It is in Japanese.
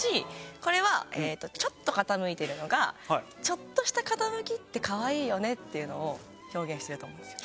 これはちょっと傾いてるのがちょっとした傾きってかわいいよねっていうのを表現してると思うんですよ。